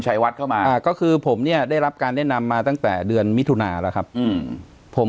ชัยวัดเข้ามาอ่าก็คือผมเนี่ยได้รับการแนะนำมาตั้งแต่เดือนมิถุนาแล้วครับอืมผม